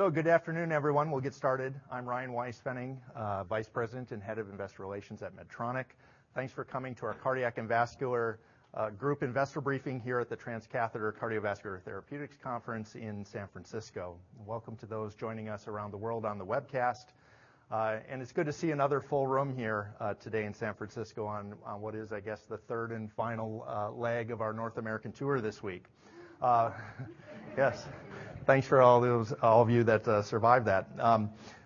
All right. Good afternoon, everyone. We'll get started. I'm Ryan Weispfenning, Vice President and Head of Investor Relations at Medtronic. Thanks for coming to our Cardiac & Vascular Group investor briefing here at the Transcatheter Cardiovascular Therapeutics Conference in San Francisco. Welcome to those joining us around the world on the webcast. It's good to see another full room here today in San Francisco on what is, I guess, the third and final leg of our North American tour this week. Yes. Thanks for all of you that survived that.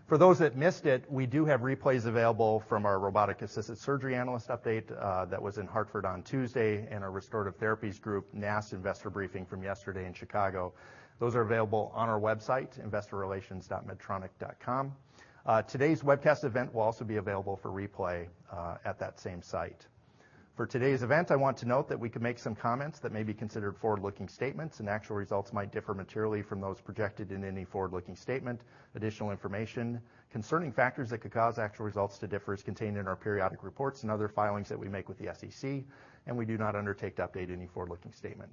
For those that missed it, we do have replays available from our robotic-assisted surgery analyst update that was in Hartford on Tuesday and our Restorative Therapies Group NASH investor briefing from yesterday in Chicago. Those are available on our website, investorrelations.medtronic.com. Today's webcast event will also be available for replay at that same site. For today's event, I want to note that we can make some comments that may be considered forward-looking statements, and actual results might differ materially from those projected in any forward-looking statement. Additional information concerning factors that could cause actual results to differ is contained in our periodic reports and other filings that we make with the SEC, and we do not undertake to update any forward-looking statement.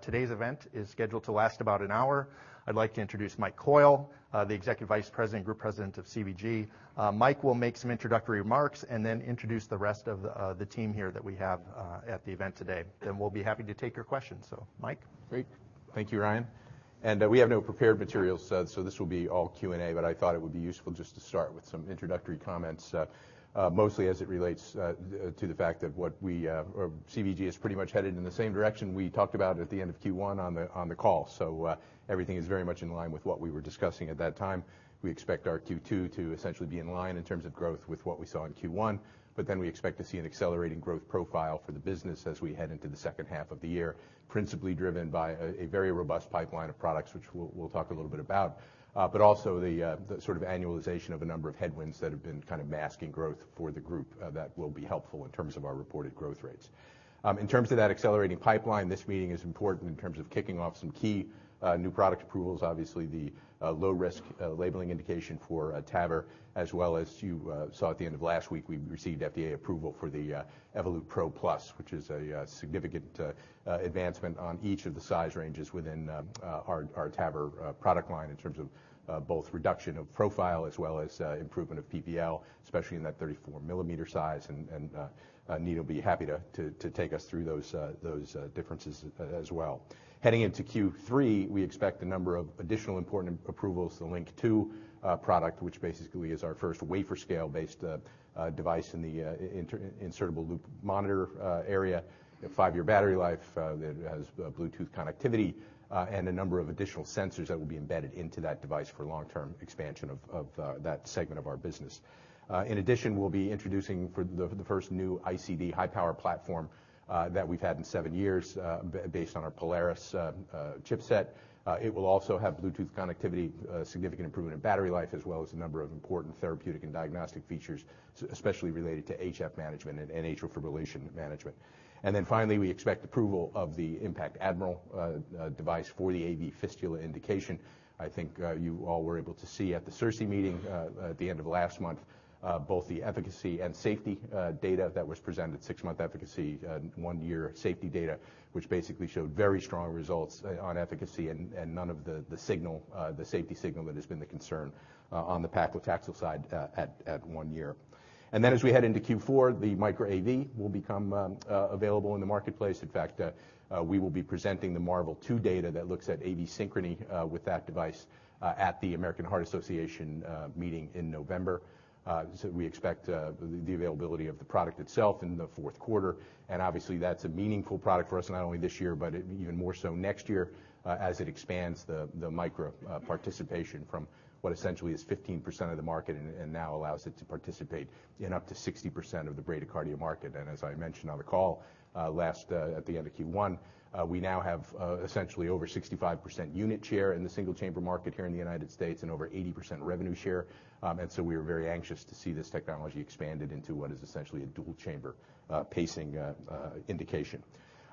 Today's event is scheduled to last about an hour. I'd like to introduce Mike Coyle, the Executive Vice President, Group President of CVG. Mike will make some introductory remarks and then introduce the rest of the team here that we have at the event today. We'll be happy to take your questions. Mike? Great. Thank you, Ryan. We have no prepared materials. This will be all Q&A. I thought it would be useful just to start with some introductory comments, mostly as it relates to the fact that what we, or CVG, is pretty much headed in the same direction we talked about at the end of Q1 on the call. Everything is very much in line with what we were discussing at that time. We expect our Q2 to essentially be in line in terms of growth with what we saw in Q1. We expect to see an accelerating growth profile for the business as we head into the second half of the year, principally driven by a very robust pipeline of products, which we'll talk a little bit about. Also the sort of annualization of a number of headwinds that have been kind of masking growth for the group that will be helpful in terms of our reported growth rates. In terms of that accelerating pipeline, this meeting is important in terms of kicking off some key new product approvals. Obviously, the low-risk labeling indication for TAVR, as well as you saw at the end of last week, we received FDA approval for the Evolut PRO+, which is a significant advancement on each of the size ranges within our TAVR product line in terms of both reduction of profile as well as improvement of PVL, especially in that 34-millimeter size. Nina will be happy to take us through those differences as well. Heading into Q3, we expect a number of additional important approvals, the LINQ II product, which basically is our first wafer-scale-based device in the insertable loop monitor area, a 5-year battery life that has Bluetooth connectivity and a number of additional sensors that will be embedded into that device for long-term expansion of that segment of our business. In addition, we'll be introducing for the first new ICD high-power platform that we've had in 7 years based on our Polaris chipset. It will also have Bluetooth connectivity, significant improvement in battery life, as well as a number of important therapeutic and diagnostic features, especially related to HF management and atrial fibrillation management. Finally, we expect approval of the IN.PACT Admiral device for the AV fistula indication. I think you all were able to see at the CIRSE meeting at the end of last month, both the efficacy and safety data that was presented, six-month efficacy and one-year safety data, which basically showed very strong results on efficacy and none of the safety signal that has been the concern on the paclitaxel side at one year. Then as we head into Q4, the Micra AV will become available in the marketplace. In fact, we will be presenting the MARVEL 2 data that looks at AV synchrony with that device at the American Heart Association meeting in November. We expect the availability of the product itself in the fourth quarter, and obviously that's a meaningful product for us, not only this year but even more so next year as it expands the Micra participation from what essentially is 15% of the market and now allows it to participate in up to 60% of the bradycardia market. As I mentioned on the call at the end of Q1, we now have essentially over 65% unit share in the single-chamber market here in the U.S. and over 80% revenue share. We are very anxious to see this technology expanded into what is essentially a dual-chamber pacing indication.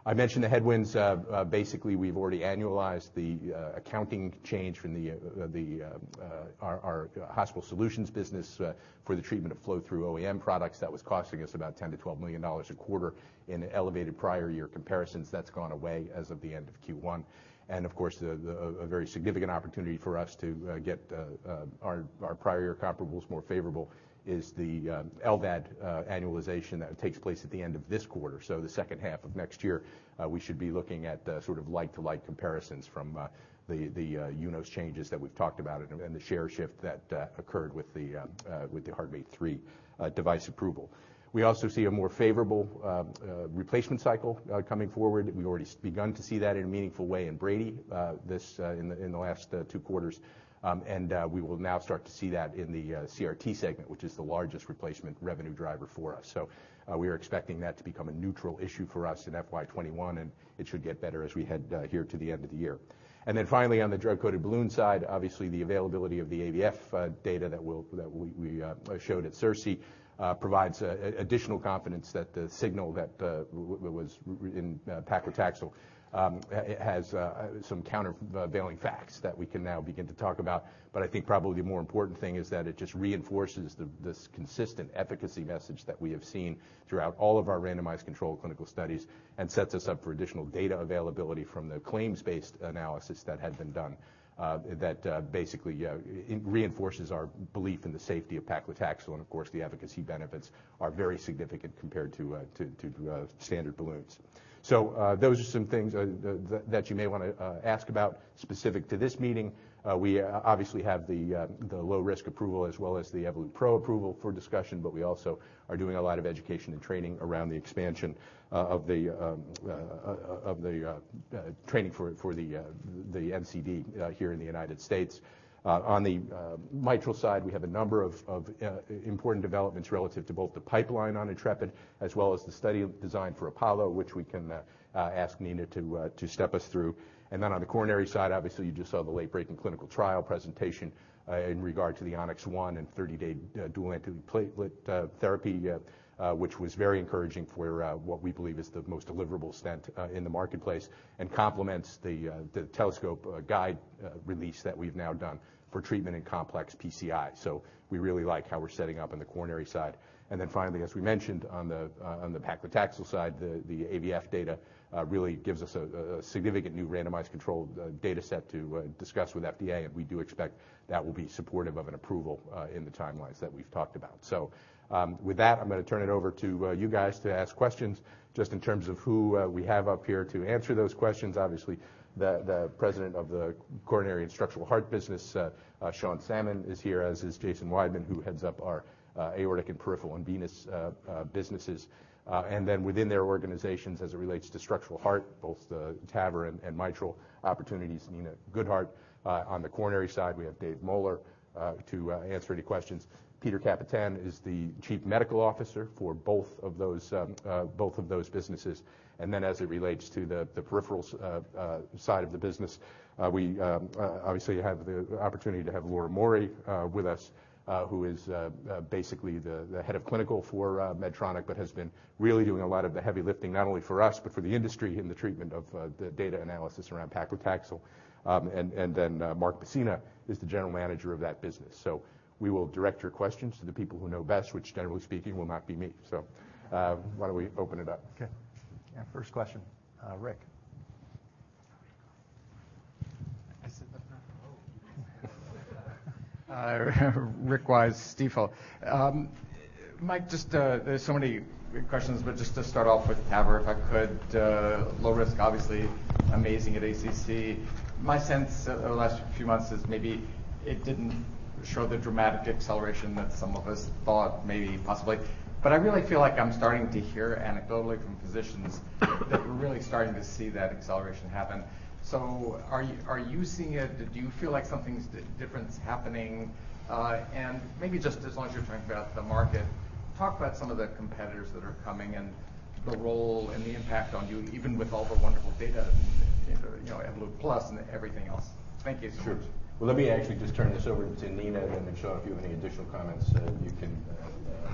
I mentioned the headwinds. Basically, we've already annualized the accounting change from our Hospital Solutions business for the treatment of flow-through OEM products that was costing us about $10 million-$12 million a quarter in elevated prior year comparisons. That's gone away as of the end of Q1. Of course, a very significant opportunity for us to get our prior year comparables more favorable is the LVAD annualization that takes place at the end of this quarter. The second half of next year, we should be looking at sort of like-to-like comparisons from the UNOS changes that we've talked about and the share shift that occurred with the HeartMate 3 device approval. We also see a more favorable replacement cycle coming forward. We've already begun to see that in a meaningful way in Brady in the last two quarters. We will now start to see that in the CRT segment, which is the largest replacement revenue driver for us. We are expecting that to become a neutral issue for us in FY 2021, and it should get better as we head here to the end of the year. Finally, on the drug-coated balloon side, obviously the availability of the AVF data that we showed at CIRSE provides additional confidence that the signal that was in paclitaxel has some countervailing facts that we can now begin to talk about. I think probably the more important thing is that it just reinforces this consistent efficacy message that we have seen throughout all of our randomized controlled clinical studies and sets us up for additional data availability from the claims-based analysis that had been done that basically reinforces our belief in the safety of paclitaxel. Of course, the efficacy benefits are very significant compared to standard balloons. Those are some things that you may want to ask about. Specific to this meeting, we obviously have the low-risk approval as well as the Evolut PRO approval for discussion, but we also are doing a lot of education and training around the expansion of the training for the NCD here in the U.S. On the mitral side, we have a number of important developments relative to both the pipeline on Intrepid as well as the study design for APOLLO, which we can ask Nina to step us through. On the coronary side, obviously, you just saw the late-breaking clinical trial presentation in regard to the Onyx ONE and 30-day dual antiplatelet therapy, which was very encouraging for what we believe is the most deliverable stent in the marketplace and complements the Telescope guide release that we've now done for treatment in complex PCI. We really like how we're setting up on the coronary side. Finally, as we mentioned on the paclitaxel side, the AVF data really gives us a significant new randomized controlled data set to discuss with FDA, and we do expect that will be supportive of an approval in the timelines that we've talked about. I'm going to turn it over to you guys to ask questions. Just in terms of who we have up here to answer those questions, obviously, the President of the Coronary and Structural Heart business, Sean Salmon, is here, as is Jason Weidman, who heads up our aortic and peripheral and venous businesses. Within their organizations, as it relates to structural heart, both the TAVR and mitral opportunities, Nina Goodheart. On the coronary side, we have Dave Moeller to answer any questions. Peter Kapetan is the Chief Medical Officer for both of those businesses. As it relates to the peripheral side of the business, we obviously have the opportunity to have Laura Mauri with us who is basically the head of clinical for Medtronic but has been really doing a lot of the heavy lifting, not only for us but for the industry in the treatment of the data analysis around paclitaxel. Mark Pacyna is the general manager of that business. We will direct your questions to the people who know best, which generally speaking will not be me. Why don't we open it up? Okay. Yeah. First question, Rick. I said nothing. Rick Wise, Stifel. Mike, there's so many questions, but just to start off with TAVR, if I could. Low risk, obviously amazing at ACC. My sense over the last few months is maybe it didn't show the dramatic acceleration that some of us thought maybe possibly. I really feel like I'm starting to hear anecdotally from physicians that we're really starting to see that acceleration happen. Are you seeing it? Do you feel like something different is happening? Maybe just as long as you're talking about the market, talk about some of the competitors that are coming and the role and the impact on you, even with all the wonderful data, Evolut PRO+ and everything else. Thank you so much. Sure. Well, let me actually just turn this over to Nina, then Sean, if you have any additional comments, you can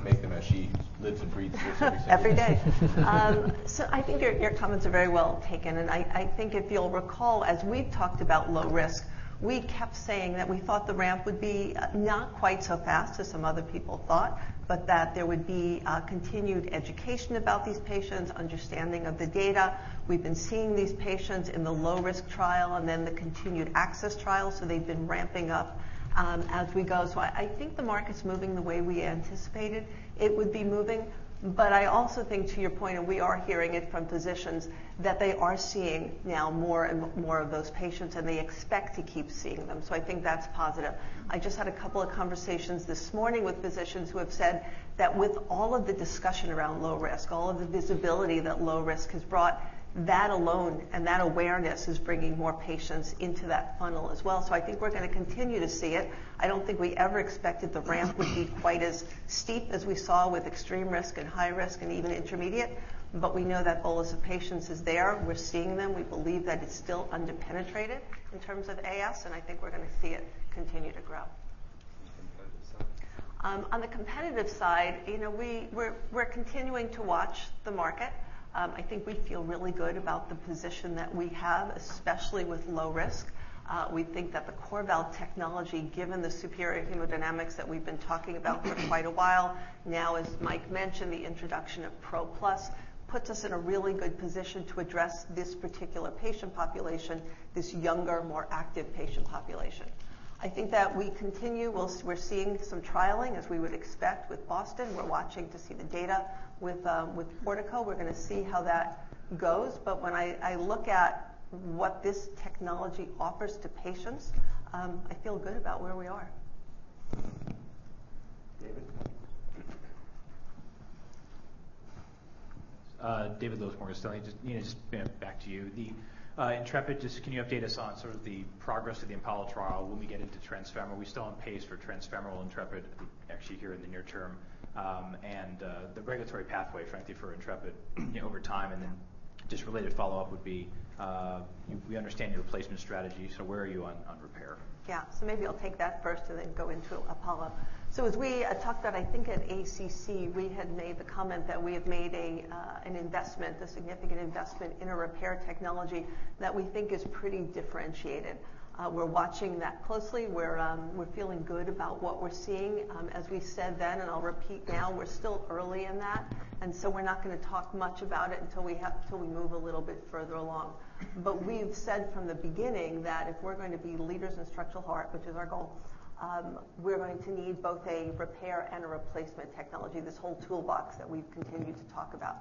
make them as she lives and breathes this every single day. Every day. I think your comments are very well taken, and I think if you'll recall, as we've talked about low risk, we kept saying that we thought the ramp would be not quite so fast as some other people thought, but that there would be continued education about these patients, understanding of the data. We've been seeing these patients in the low-risk trial and then the continued access trial, so they've been ramping up as we go. I think the market's moving the way we anticipated it would be moving. I also think to your point, and we are hearing it from physicians, that they are seeing now more and more of those patients, and they expect to keep seeing them. I think that's positive. I just had a couple of conversations this morning with physicians who have said that with all of the discussion around low risk, all of the visibility that low risk has brought, that alone and that awareness is bringing more patients into that funnel as well. I think we're going to continue to see it. I don't think we ever expected the ramp would be quite as steep as we saw with extreme risk and high risk and even intermediate. We know that the list of patients is there. We're seeing them. We believe that it's still under-penetrated in terms of AS. I think we're going to see it continue to grow. On the competitive side? On the competitive side, we're continuing to watch the market. I think we feel really good about the position that we have, especially with low risk. We think that the CoreValve technology, given the superior hemodynamics that we've been talking about for quite a while, now, as Mike mentioned, the introduction of PRO+, puts us in a really good position to address this particular patient population, this younger, more active patient population. We're seeing some trialing, as we would expect with Boston. We're watching to see the data with Portico. We're going to see how that goes. When I look at what this technology offers to patients, I feel good about where we are. David. [David Losmore, Stelly]. Nina, just back to you. The Intrepid, just can you update us on sort of the progress of the APOLLO trial when we get into transfemoral? Are we still on pace for transfemoral Intrepid actually here in the near term? The regulatory pathway, frankly, for Intrepid over time? Just related follow-up would be, we understand your replacement strategy, where are you on repair? Maybe I'll take that first and then go into APOLLO. As we talked about, I think at ACC, we had made the comment that we have made an investment, a significant investment in a repair technology that we think is pretty differentiated. We're watching that closely. We're feeling good about what we're seeing. As we said then, I'll repeat now, we're still early in that, we're not going to talk much about it until we move a little bit further along. We've said from the beginning that if we're going to be leaders in structural heart, which is our goal, we're going to need both a repair and a replacement technology, this whole toolbox that we've continued to talk about.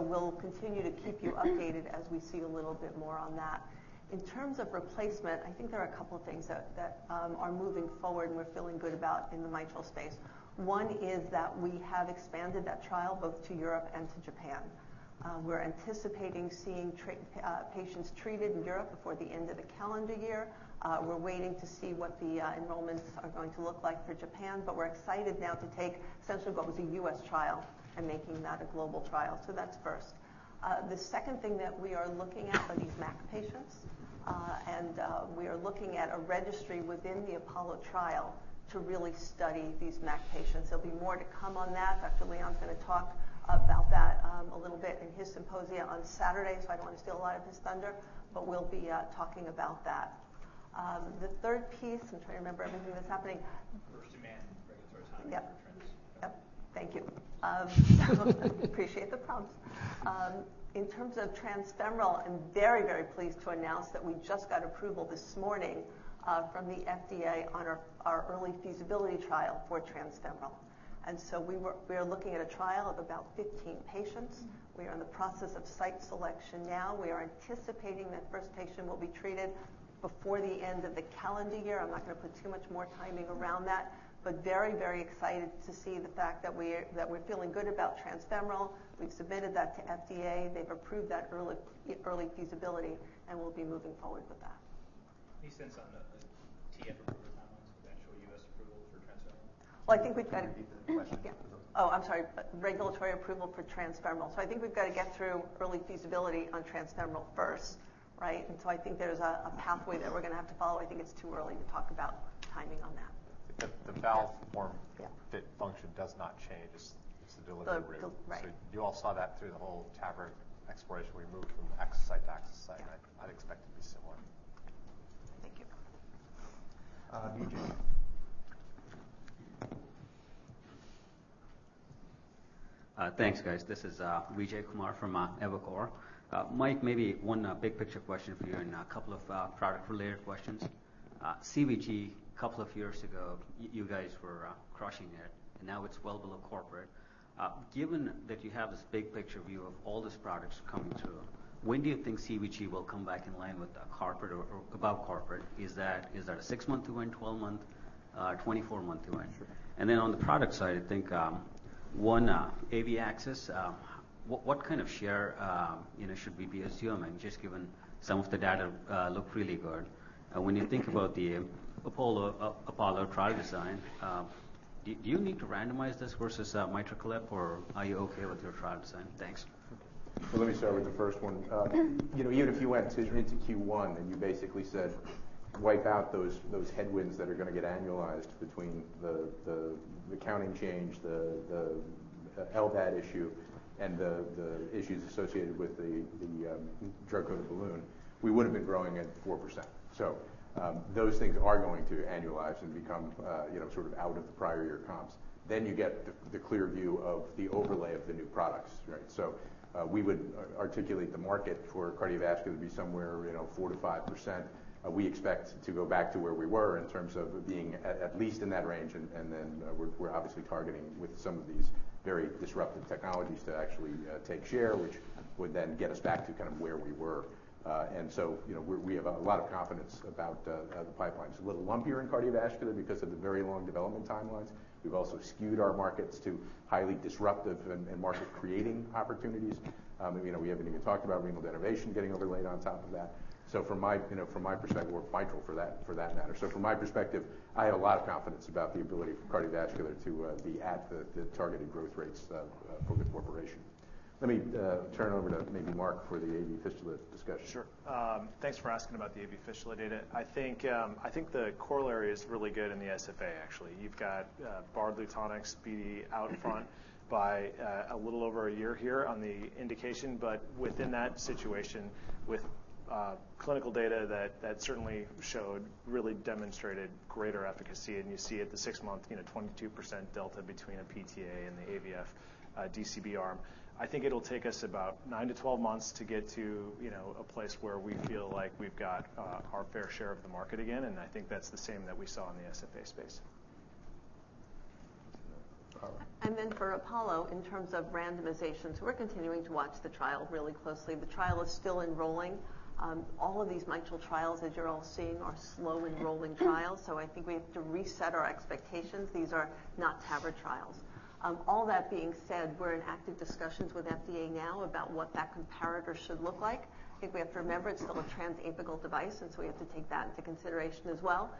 We'll continue to keep you updated as we see a little bit more on that. In terms of replacement, I think there are a couple of things that are moving forward and we're feeling good about in the mitral space. One is that we have expanded that trial both to Europe and to Japan. We're anticipating seeing patients treated in Europe before the end of the calendar year. We're waiting to see what the enrollments are going to look like for Japan, We're excited now to take essentially what was a U.S. trial and making that a global trial. That's first. The second thing that we are looking at are these MAC patients. We are looking at a registry within the APOLLO trial to really study these MAC patients. There'll be more to come on that. Dr. Leon is going to talk about that a little bit in his symposia on Saturday, so I don't want to steal a lot of his thunder, but we'll be talking about that. The third piece, I'm trying to remember everything that's happening. First demand regulatory timing for transfemoral. Yep. Thank you. Appreciate the prompts. In terms of transfemoral, I'm very pleased to announce that we just got approval this morning from the FDA on our early feasibility trial for transfemoral. We are looking at a trial of about 15 patients. We are in the process of site selection now. We are anticipating that first patient will be treated before the end of the calendar year. I'm not going to put too much more timing around that, very excited to see the fact that we're feeling good about transfemoral. We've submitted that to FDA. They've approved that early feasibility, we'll be moving forward with that. Any sense on the TF approval timelines with actual U.S. approval for transfemoral? Well, I think we've got to- Can you repeat the question? Yeah. Oh, I'm sorry. Regulatory approval for transfemoral. I think we've got to get through early feasibility on transfemoral first, right? I think there's a pathway that we're going to have to follow. I think it's too early to talk about timing on that. The valve form fit function does not change. It's the delivery route. Right. You all saw that through the whole TAVR exploration. We moved from site to site, and I'd expect it to be similar. Thank you. Vijay. Thanks, guys. This is Vijay Kumar from Evercore. Mike, maybe one big-picture question for you and a couple of product-related questions. CVG, couple of years ago, you guys were crushing it, and now it is well below corporate. Given that you have this big-picture view of all these products coming through, when do you think CVG will come back in line with corporate or above corporate? Is that a six-month event, 12-month, 24-month event? Then on the product side, I think, one, AVF, what kind of share should we be assuming just given some of the data looked really good. When you think about the APOLLO trial design, do you need to randomize this versus MitraClip, or are you okay with your trial design? Thanks. Let me start with the first one. Even if you went into Q1, you basically said, "Wipe out those headwinds that are going to get annualized between the accounting change, the LVAD issue, and the issues associated with the drug-coated balloon," we would've been growing at 4%. Those things are going to annualize and become sort of out of the prior year comps. You get the clear view of the overlay of the new products, right? We would articulate the market for cardiovascular to be somewhere 4%-5%. We expect to go back to where we were in terms of being at least in that range, we're obviously targeting with some of these very disruptive technologies to actually take share, which would then get us back to kind of where we were. We have a lot of confidence about the pipelines. A little lumpier in cardiovascular because of the very long development timelines. We've also skewed our markets to highly disruptive and market-creating opportunities. We haven't even talked about renal denervation getting overlaid on top of that, or mitral for that matter. From my perspective, I have a lot of confidence about the ability for cardiovascular to be at the targeted growth rates for the corporation. Let me turn it over to maybe Mark for the AV fistula discussion. Sure. Thanks for asking about the AV fistula data. I think the corollary is really good in the SFA, actually. You've got Bard's Lutonix be out in front by a little over a year here on the indication. Within that situation with clinical data that certainly showed, really demonstrated greater efficacy, and you see at the six month, 22% delta between a PTA and the AVF DCB arm. I think it'll take us about 9 to 12 months to get to a place where we feel like we've got our fair share of the market again, and I think that's the same that we saw in the SFA space. Carla. For APOLLO, in terms of randomizations, we're continuing to watch the trial really closely. The trial is still enrolling. All of these mitral trials, as you're all seeing, are slow-enrolling trials. I think we have to reset our expectations. These are not TAVR trials. All that being said, we're in active discussions with FDA now about what that comparator should look like. I think we have to remember it's still a transapical device, we have to take that into consideration as well.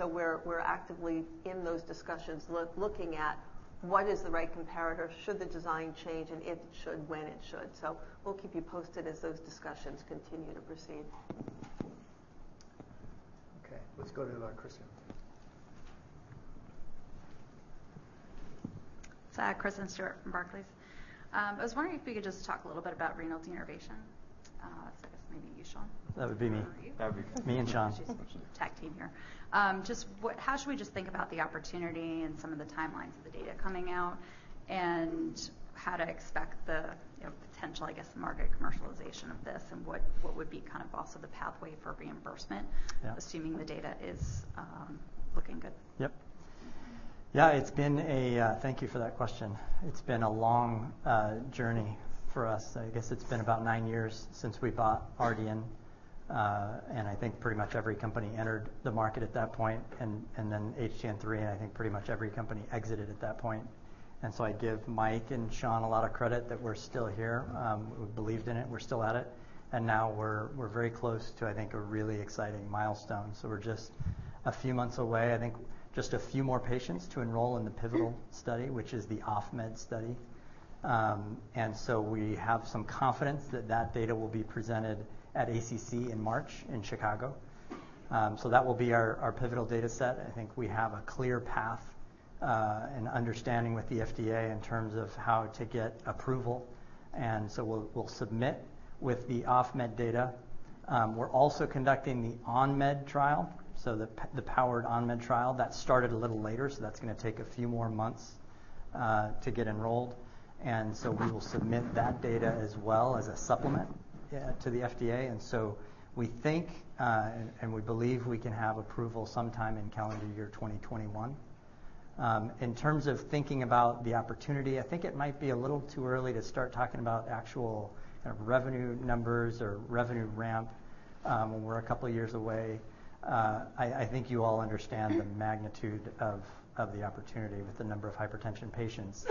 We're actively in those discussions, looking at what is the right comparator, should the design change, and if it should, when it should. We'll keep you posted as those discussions continue to proceed. Okay. Let's go to Kristen. Kristen Stewart from Barclays. I was wondering if we could just talk a little bit about renal denervation. I guess maybe you, Sean. That would be me. That would be Sean. Me and Sean. Tag team here. Just how should we think about the opportunity and some of the timelines of the data coming out? How to expect the potential, I guess, market commercialization of this, and what would be kind of also the pathway for reimbursement? Yeah assuming the data is looking good. Yep. Yeah. Thank you for that question. It's been a long journey for us. I guess it's been about nine years since we bought Ardian. I think pretty much every company entered the market at that point. Then HTN-3, I think pretty much every company exited at that point. I give Mike and Sean a lot of credit that we're still here. We believed in it, we're still at it, and now we're very close to, I think, a really exciting milestone. We're just a few months away. I think just a few more patients to enroll in the pivotal study, which is the off-med study. We have some confidence that that data will be presented at ACC in March in Chicago. That will be our pivotal data set. I think we have a clear path and understanding with the FDA in terms of how to get approval, and so we'll submit with the off-med data. We're also conducting the on-med trial. The powered on-med trial, that started a little later, so that's going to take a few more months to get enrolled. We will submit that data as well as a supplement to the FDA. We think, and we believe we can have approval sometime in calendar year 2021. In terms of thinking about the opportunity, I think it might be a little too early to start talking about actual revenue numbers or revenue ramp when we're a couple of years away. I think you all understand the magnitude of the opportunity with the number of hypertension patients.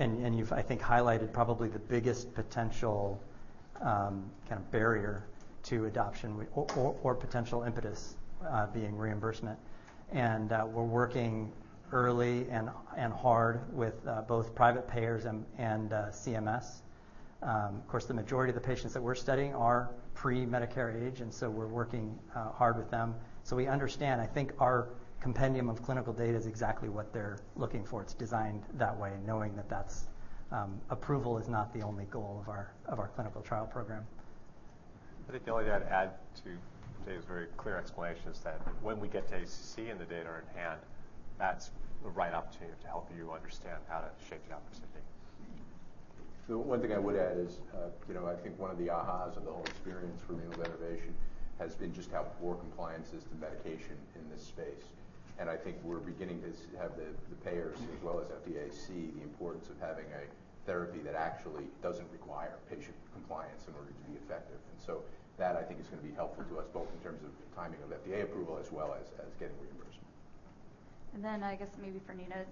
You've, I think, highlighted probably the biggest potential barrier to adoption or potential impetus being reimbursement. We're working early and hard with both private payers and CMS. Of course, the majority of the patients that we're studying are pre-Medicare age, we're working hard with them. We understand. I think our compendium of clinical data is exactly what they're looking for. It's designed that way, knowing that approval is not the only goal of our clinical trial program. I think the only thing I'd add to Dave's very clear explanation is that when we get to ACC and the data in hand, that's the right opportunity to help you understand how to shape the opportunity. The one thing I would add is I think one of the ahas of the whole experience for renal denervation has been just how poor compliance is to medication in this space. I think we're beginning to have the payers as well as FDA see the importance of having a therapy that actually doesn't require patient compliance in order to be effective. That I think is going to be helpful to us both in terms of timing of FDA approval as well as getting reimbursed. I guess maybe for Nina.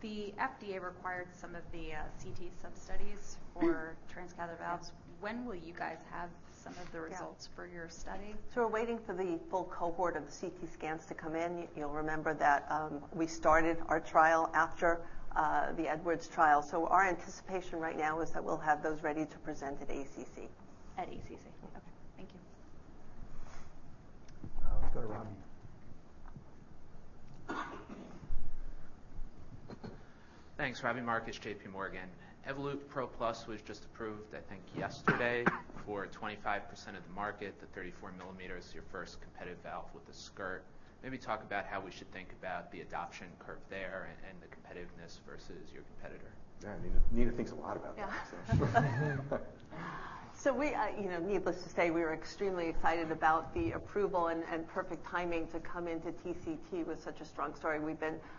The FDA required some of the CT sub-studies for transcatheter valves. When will you guys have some of the results for your study? We're waiting for the full cohort of CT scans to come in. You'll remember that we started our trial after the Edwards trial. Our anticipation right now is that we'll have those ready to present at ACC. At ACC. Okay. Thank you. Let's go to Ravi. Thanks. Ravi [Misra], JPMorgan. Evolut PRO+ was just approved, I think, yesterday for 25% of the market. The 34mm is your first competitive valve with a skirt. Maybe talk about how we should think about the adoption curve there and the competitiveness versus your competitor. Yeah, Nina thinks a lot about that. Needless to say, we are extremely excited about the approval and perfect timing to come into TCT with such a strong story.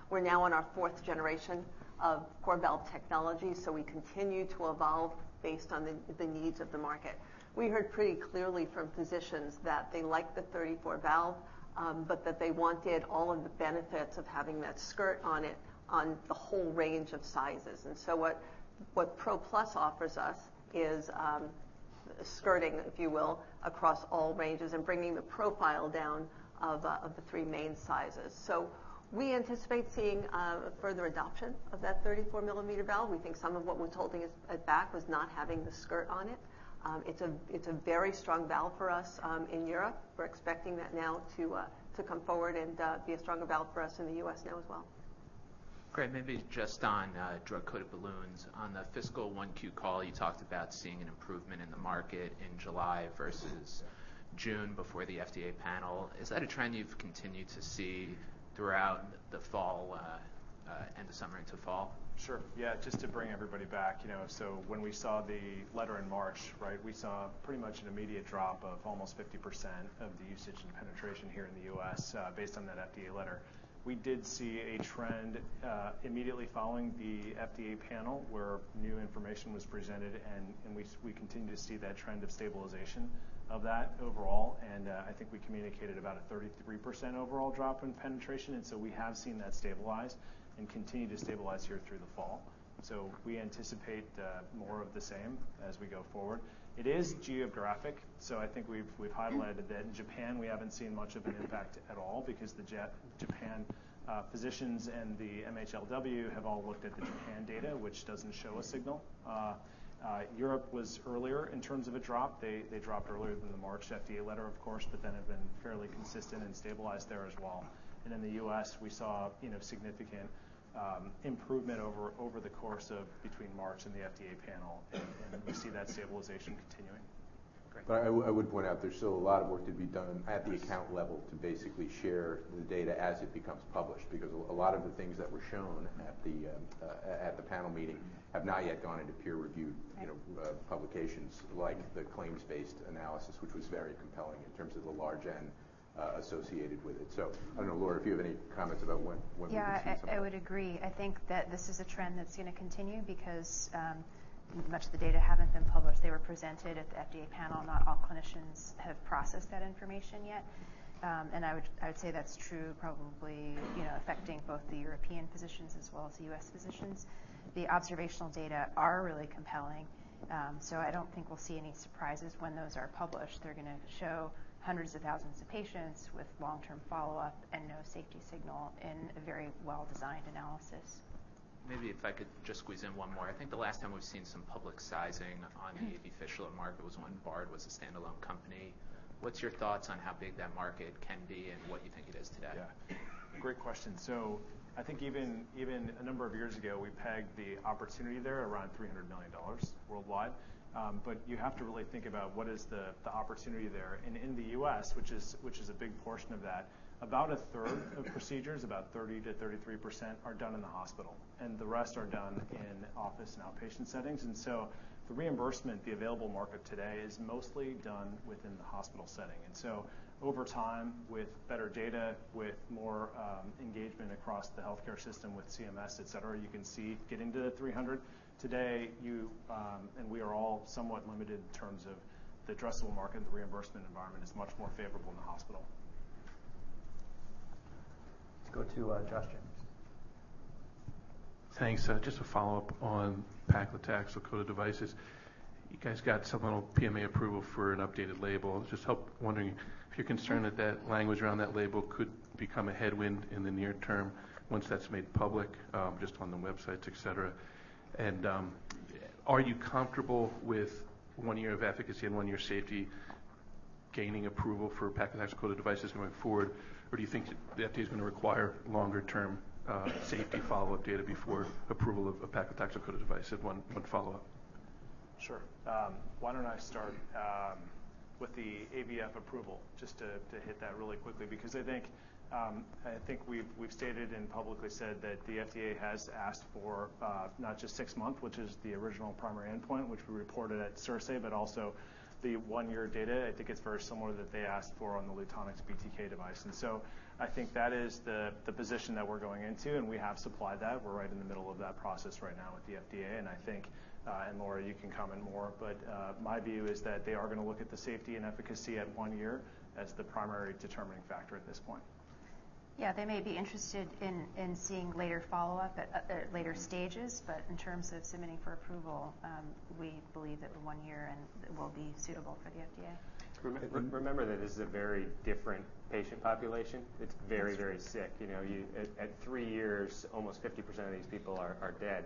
We're now in our fourth generation of CoreValve technology, we continue to evolve based on the needs of the market. We heard pretty clearly from physicians that they like the 34 valve, that they wanted all of the benefits of having that skirt on it on the whole range of sizes. What Pro+ offers us is skirting, if you will, across all ranges and bringing the profile down of the three main sizes. We anticipate seeing further adoption of that 34mm valve. We think some of what was holding us back was not having the skirt on it. It's a very strong valve for us in Europe. We're expecting that now to come forward and be a stronger valve for us in the U.S. now as well. Craig, maybe just on drug-coated balloons. On the fiscal 1Q call, you talked about seeing an improvement in the market in July versus June before the FDA panel. Is that a trend you've continued to see throughout the end of summer into fall? Sure. Just to bring everybody back. When we saw the letter in March, we saw pretty much an immediate drop of almost 50% of the usage and penetration here in the U.S. based on that FDA letter. We did see a trend immediately following the FDA panel where new information was presented, and we continue to see that trend of stabilization of that overall. I think we communicated about a 33% overall drop in penetration, we have seen that stabilize and continue to stabilize here through the fall. We anticipate more of the same as we go forward. It is geographic. I think we've highlighted that. In Japan, we haven't seen much of an impact at all because the Japan physicians and the MHLW have all looked at the Japan data, which doesn't show a signal. Europe was earlier in terms of a drop. They dropped earlier than the March FDA letter, of course, but then have been fairly consistent and stabilized there as well. In the U.S., we saw significant improvement over the course of between March and the FDA panel, and we see that stabilization continuing. Great. I would point out there's still a lot of work to be done at the account level to basically share the data as it becomes published. A lot of the things that were shown at the panel meeting have not yet gone into peer-reviewed- Right publications like the claims-based analysis, which was very compelling in terms of the large N associated with it. I don't know, Laura, if you have any comments about when we could see some of that. Yeah, I would agree. I think that this is a trend that's going to continue because much of the data haven't been published. They were presented at the FDA panel. Not all clinicians have processed that information yet. I would say that's true probably affecting both the European physicians as well as the U.S. physicians. The observational data are really compelling. I don't think we'll see any surprises when those are published. They're going to show hundreds of thousands of patients with long-term follow-up and no safety signal in a very well-designed analysis. Maybe if I could just squeeze in one more. I think the last time we've seen some public sizing on the AV fistula market was when Bard was a standalone company. What's your thoughts on how big that market can be and what you think it is today? Great question. I think even a number of years ago, we pegged the opportunity there around $300 million worldwide. You have to really think about what is the opportunity there. In the U.S., which is a big portion of that, about a third of procedures, about 30%-33%, are done in the hospital, and the rest are done in office and outpatient settings. The reimbursement, the available market today, is mostly done within the hospital setting. Over time, with better data, with more engagement across the healthcare system, with CMS, et cetera, you can see getting to $300. Today, you and we are all somewhat limited in terms of the addressable market. The reimbursement environment is much more favorable in the hospital. Let's go to Joshua Jennings. Thanks. Just a follow-up on paclitaxel-coated devices. You guys got supplemental PMA approval for an updated label. Just wondering if you're concerned that that language around that label could become a headwind in the near term once that's made public, just on the websites, et cetera. Are you comfortable with one year of efficacy and one year safety gaining approval for paclitaxel-coated devices going forward? Do you think the FDA is going to require longer-term safety follow-up data before approval of a paclitaxel-coated device? I have one follow-up. Sure. Why don't I start with the AVF approval, just to hit that really quickly, because I think we've stated and publicly said that the FDA has asked for not just six months, which is the original primary endpoint, which we reported at CIRSE, but also the one-year data. I think it's very similar that they asked for on the Lutonix BTK device. I think that is the position that we're going into, and we have supplied that. We're right in the middle of that process right now with the FDA, and I think, and Laura, you can comment more, but my view is that they are going to look at the safety and efficacy at one year as the primary determining factor at this point. Yeah, they may be interested in seeing later follow-up at later stages. In terms of submitting for approval, we believe that one year will be suitable for the FDA. Remember that this is a very different patient population. It's very sick. At three years, almost 50% of these people are dead,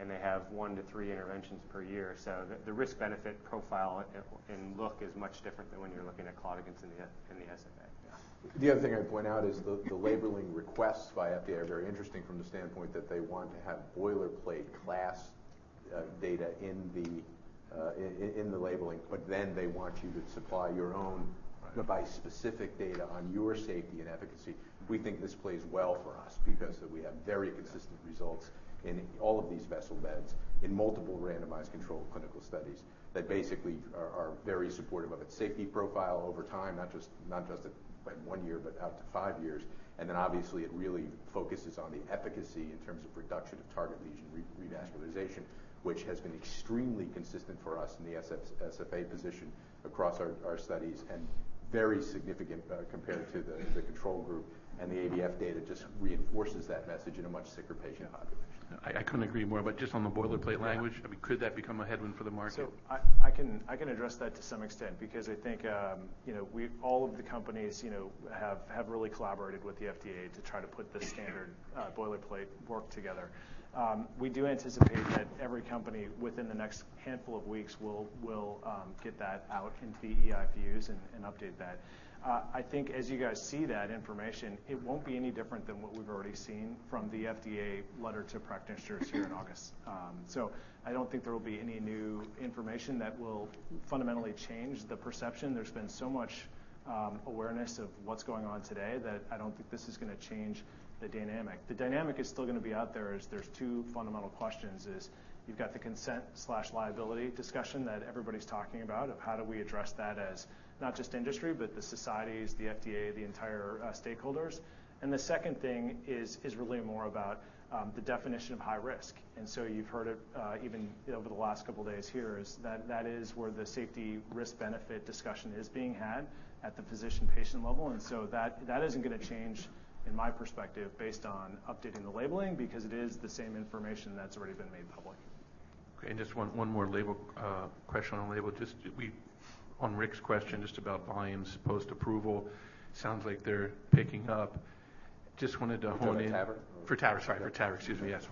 and they have one to three interventions per year. The risk-benefit profile and look is much different than when you're looking at claudicants in the SFA. Yeah. The other thing I'd point out is the labeling requests by FDA are very interesting from the standpoint that they want to have boilerplate class data in the labeling, but then they want you to supply your own device-specific data on your safety and efficacy. We think this plays well for us because we have very consistent results in all of these vessel beds in multiple randomized controlled clinical studies that basically are very supportive of its safety profile over time, not just at one year, but out to five years. Obviously it really focuses on the efficacy in terms of reduction of target lesion revascularization, which has been extremely consistent for us in the SFA position across our studies and very significant compared to the control group and the AVF data just reinforces that message in a much sicker patient population. Yeah. I couldn't agree more, but just on the boilerplate language, could that become a headwind for the market? I can address that to some extent because I think all of the companies have really collaborated with the FDA to try to put this standard boilerplate work together. We do anticipate that every company within the next handful of weeks will get that out into the IFUs and update that. I think as you guys see that information, it won't be any different than what we've already seen from the FDA letter to practitioners here in August. I don't think there will be any new information that will fundamentally change the perception. There's been so much awareness of what's going on today that I don't think this is going to change the dynamic. The dynamic is still going to be out there as there's two fundamental questions is you've got the consent/liability discussion that everybody's talking about of how do we address that as not just industry, but the societies, the FDA, the entire stakeholders. The second thing is really more about the definition of high risk. You've heard it even over the last couple of days here is that is where the safety risk-benefit discussion is being had at the physician-patient level. That isn't going to change in my perspective based on updating the labeling because it is the same information that's already been made public. Okay, just one more question on label. Just on Rick's question just about volumes post-approval. Sounds like they're picking up. Just wanted to hone in. You're talking TAVR? For TAVR, sorry. For TAVR, excuse me, yes.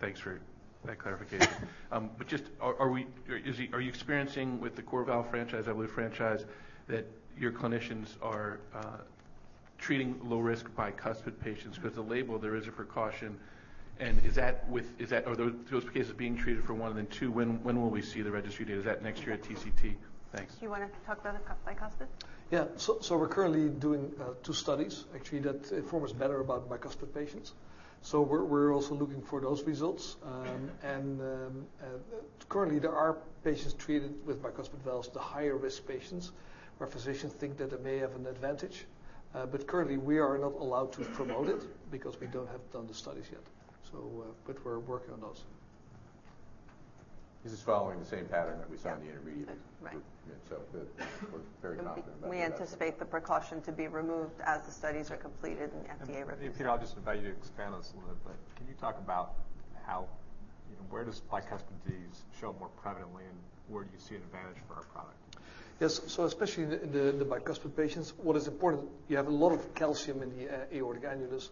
Thanks for that clarification. Just are you experiencing with the CoreValve franchise, that Evolut franchise, that your clinicians are Treating low-risk bicuspid patients because the label there is a precaution. Are those cases being treated for one and then two, when will we see the registry data? Is that next year at TCT? Thanks. Do you want to talk about bicuspid? Yeah. We're currently doing two studies, actually, that inform us better about bicuspid patients. We're also looking for those results. Currently, there are patients treated with bicuspid valves, the higher-risk patients, where physicians think that it may have an advantage. Currently, we are not allowed to promote it because we don't have done the studies yet. We're working on those. This is following the same pattern that we saw in the intermediate group. Right. Yeah, we're very confident about that. We anticipate the precaution to be removed as the studies are completed and the FDA reviews. Peter, I'll just invite you to expand on this a little bit. Can you talk about where does bicuspid disease show up more prevalently and where do you see an advantage for our product? Yes. Especially in the bicuspid patients, what is important, you have a lot of calcium in the aortic annulus.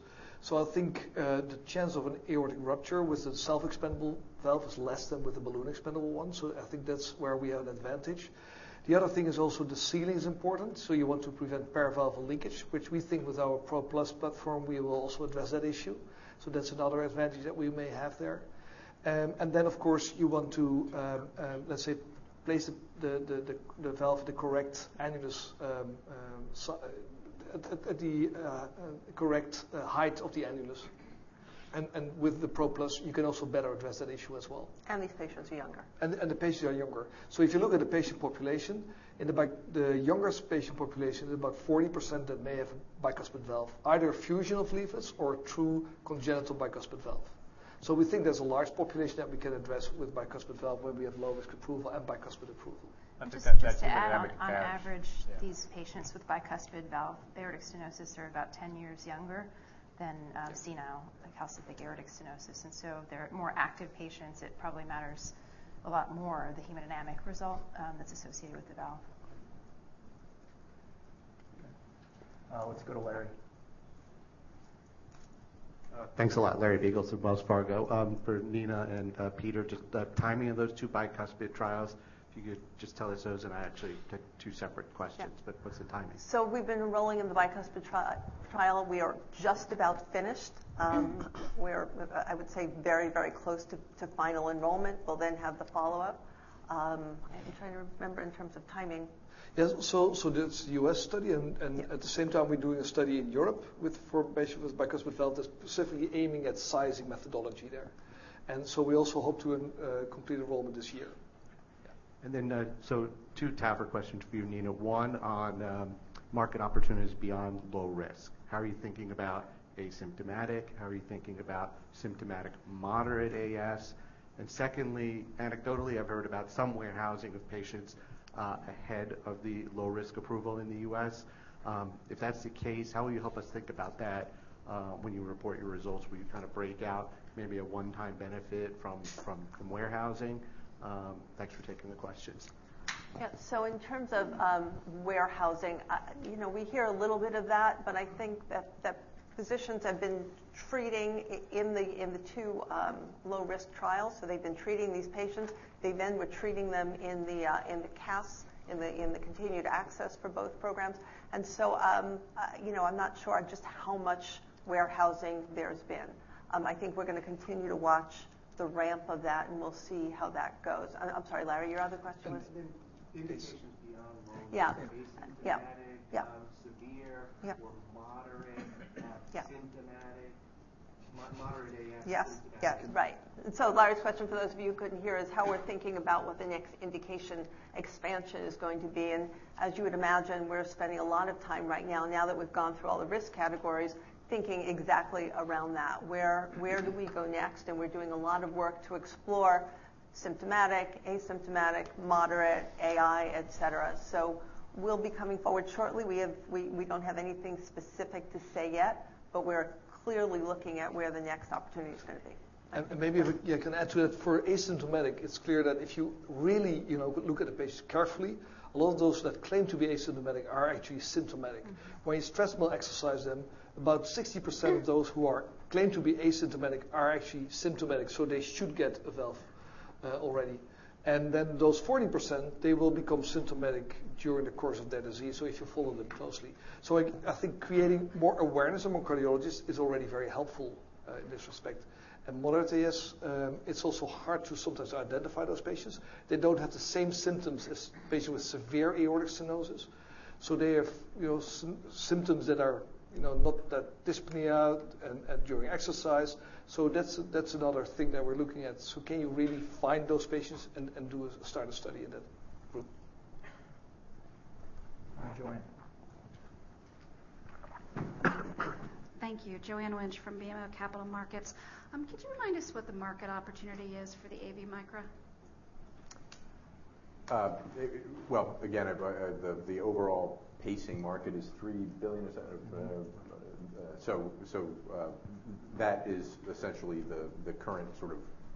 I think the chance of an aortic rupture with a self-expandable valve is less than with the balloon-expandable one. I think that's where we have an advantage. The other thing is also the sealing is important. You want to prevent paravalvular leakage, which we think with our PRO+ platform, we will also address that issue. That's another advantage that we may have there. Of course, you want to, let's say, place the valve at the correct height of the annulus. With the PRO+, you can also better address that issue as well. These patients are younger. The patients are younger. If you look at the patient population, in the younger patient population, about 40% may have a bicuspid valve, either a fusion of leaflets or a true congenital bicuspid valve. We think there's a large population that we can address with bicuspid valve when we have low-risk approval and bicuspid approval. I think that's the dynamic advantage. Just to add, on average, these patients with bicuspid valve aortic stenosis are about 10 years younger than senile calcific aortic stenosis. They're more active patients. It probably matters a lot more, the hemodynamic result that's associated with the valve. Okay. Let's go to Larry. Thanks a lot. Larry Biegelsen with Wells Fargo. For Nina and Peter, just the timing of those two bicuspid trials, if you could just tell us those. I actually take two separate questions. Yeah. What's the timing? We've been enrolling in the bicuspid trial. We are just about finished. We're, I would say very, very close to final enrollment. We'll have the follow-up. I'm trying to remember in terms of timing. Yeah. That's the U.S. study. Yeah. At the same time, we're doing a study in Europe for patients with bicuspid valve that's specifically aiming at sizing methodology there. We also hope to complete enrollment this year. Yeah. Two TAVR questions for you, Nina. One on market opportunities beyond low risk. How are you thinking about asymptomatic? How are you thinking about symptomatic moderate AS? Secondly, anecdotally, I've heard about some warehousing of patients ahead of the low-risk approval in the U.S. If that's the case, how will you help us think about that when you report your results? Will you kind of break out maybe a one-time benefit from warehousing? Thanks for taking the questions. Yeah. In terms of warehousing, we hear a little bit of that. I think that physicians have been treating in the two low-risk trials. They've been treating these patients. They then were treating them in the CAS, in the continued access for both programs. I'm not sure just how much warehousing there's been. I think we're going to continue to watch the ramp of that, and we'll see how that goes. I'm sorry, Larry, your other question was? Indications beyond low risk. Yeah. Asymptomatic- Yeah severe or moderate- Yeah symptomatic moderate AS. Yes. Yeah, right. Larry's question for those of you who couldn't hear is how we're thinking about what the next indication expansion is going to be. As you would imagine, we're spending a lot of time right now that we've gone through all the risk categories, thinking exactly around that. Where do we go next? We're doing a lot of work to explore symptomatic, asymptomatic, moderate AI, et cetera. We'll be coming forward shortly. We don't have anything specific to say yet, but we're clearly looking at where the next opportunity is going to be. Maybe if I can add to it, for asymptomatic, it's clear that if you really look at the patients carefully, a lot of those that claim to be asymptomatic are actually symptomatic. When you stress, exercise them, about 60% of those who claim to be asymptomatic are actually symptomatic, so they should get a valve already. Then those 40%, they will become symptomatic during the course of their disease if you follow them closely. I think creating more awareness among cardiologists is already very helpful in this respect. Moderate AS, it's also hard to sometimes identify those patients. They don't have the same symptoms as patients with severe aortic stenosis. They have symptoms that are not that dyspnea and during exercise. That's another thing that we're looking at. Can you really find those patients and start a study in that group? All right, Joanne. Thank you. Joanne Wuensch from BMO Capital Markets. Could you remind us what the market opportunity is for the Micra AV? Well, again, the overall pacing market is $3 billion. Is that right? That is essentially the current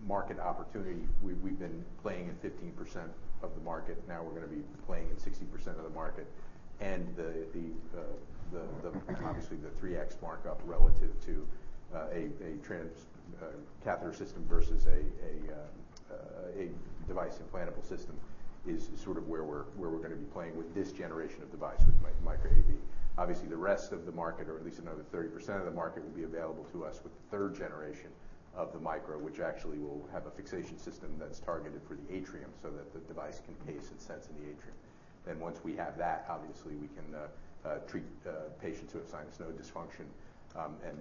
market opportunity. We've been playing in 15% of the market. We're going to be playing in 60% of the market. Obviously, the 3x markup relative to a catheter system versus a device implantable system is where we're going to be playing with this generation of device with Micra AV. Obviously, the rest of the market, or at least another 30% of the market, will be available to us with the third generation of the Micra, which actually will have a fixation system that's targeted for the atrium so that the device can pace and sense in the atrium. Once we have that, obviously, we can treat patients who have sinus node dysfunction, and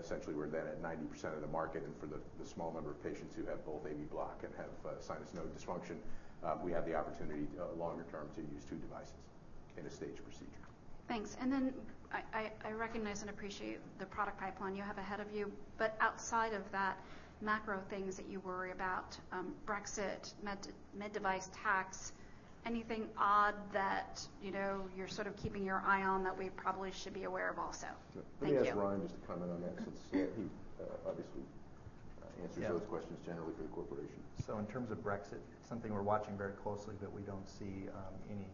essentially we're then at 90% of the market. For the small number of patients who have both AV block and have sinus node dysfunction, we have the opportunity longer term to use two devices in a staged procedure. Thanks. I recognize and appreciate the product pipeline you have ahead of you, but outside of that, macro things that you worry about, Brexit, med device tax, anything odd that you're sort of keeping your eye on that we probably should be aware of also? Thank you. Let me ask Ryan just to comment on that, since he obviously answers those questions generally for the corporation. In terms of Brexit, it's something we're watching very closely, but we don't see any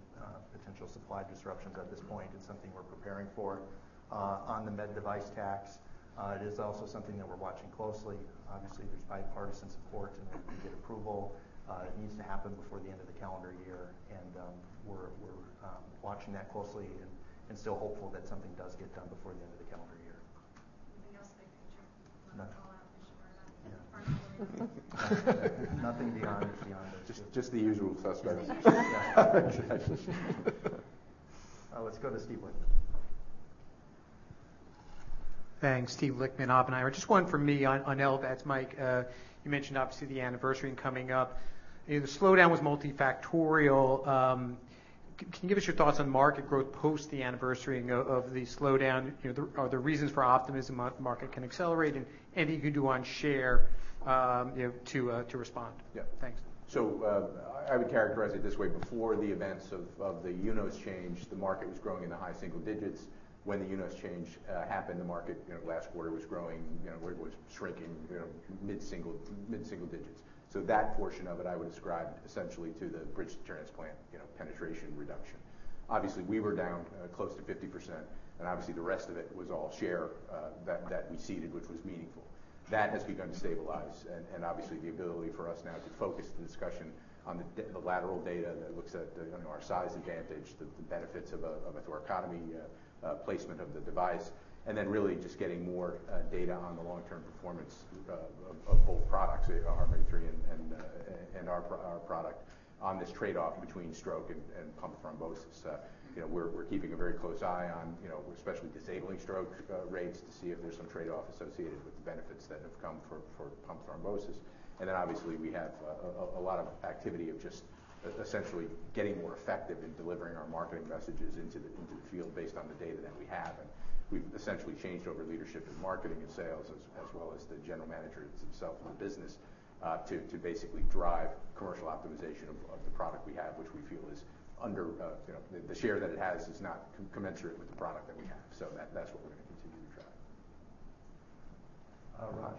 potential supply disruptions at this point. It's something we're preparing for. On the med device tax, it is also something that we're watching closely. Obviously, there's bipartisan support, and we get approval. It needs to happen before the end of the calendar year. We're watching that closely and still hopeful that something does get done before the end of the calendar year. Anything else that I can check before I fall off the short line? Nothing beyond those two. Just the usual suspects. Thank you. Exactly. Let's go to Steven Lichtman. Thanks. Steven Lichtman, Oppenheimer. Just one for me on LVAD, Mike. You mentioned, obviously, the anniversary coming up. The slowdown was multifactorial. Can you give us your thoughts on market growth post the anniversary of the slowdown? Are there reasons for optimism the market can accelerate? Anything you can do on share to respond? Yeah. Thanks. I would characterize it this way. Before the events of the UNOS change, the market was growing in the high single digits. When the UNOS change happened, the market last quarter was shrinking mid-single digits. That portion of it, I would ascribe essentially to the bridge transplant penetration reduction. Obviously, we were down close to 50%, and obviously, the rest of it was all share that we ceded, which was meaningful. That has begun to stabilize, and obviously, the ability for us now to focus the discussion on the lateral data that looks at our size advantage, the benefits of atherectomy placement of the device, and then really just getting more data on the long-term performance of both products, HeartMate 3 and our product on this trade-off between stroke and pump thrombosis. We're keeping a very close eye on especially disabling stroke rates to see if there's some trade-off associated with the benefits that have come for pump thrombosis. Obviously, we have a lot of activity of just essentially getting more effective in delivering our marketing messages into the field based on the data that we have. We've essentially changed over leadership in marketing and sales as well as the general managers themselves in the business to basically drive commercial optimization of the product we have, which we feel the share that it has is not commensurate with the product that we have. That's what we're going to continue to track.